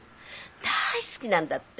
大好きなんだって。